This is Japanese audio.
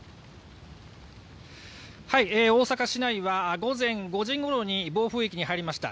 大阪市内は午前５時ごろに暴風域に入りました。